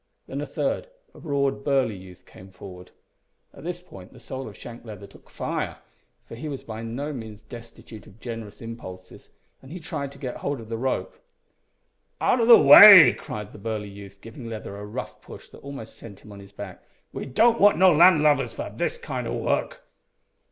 Then a third a broad burly youth came forward. At this point the soul of Shank Leather took fire, for he was by no means destitute of generous impulses, and he tried to get hold of the rope. "Out o' the way," cried the burly youth, giving Leather a rough push that almost sent him on his back; "we don't want no land lubbers for this kind o' work."